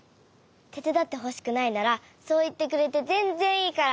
てつだってほしくないならそういってくれてぜんぜんいいから。